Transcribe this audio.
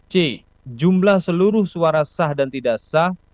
c jumlah seluruh suara sah dan tidak sah